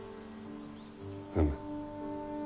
うむ。